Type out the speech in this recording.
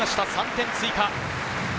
３点追加！